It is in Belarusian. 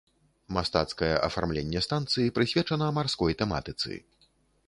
Мастацкае афармленне станцыі прысвечана марской тэматыцы.